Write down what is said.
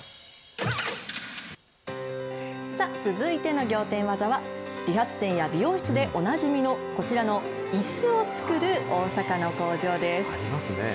さあ、続いての仰天技は、理髪店や美容室でおなじみのこちらのいすを作る大阪の工場です。